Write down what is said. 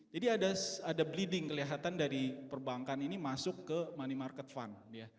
jadi ada bleeding kelihatan dari perbankan ini masuk ke money market fund